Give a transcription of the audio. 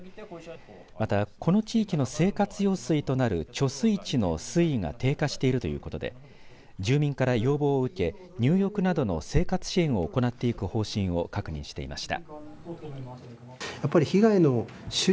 またこの地域の生活用水となる貯水池の水位が低下しているということで住民から要望を受け入浴などの生活支援を行っていく方針を確認していました。